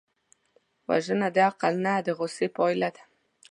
وژنه د عقل نه، د غصې پایله ده